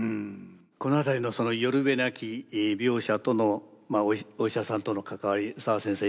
このあたりの寄る辺なき病者とのお医者さんとの関わり澤先生